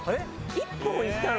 １本いったの？